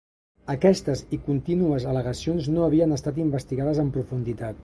Aquestes i contínues al·legacions no havien estat investigades en profunditat.